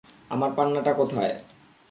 আমার পান্নাটা কোথায়?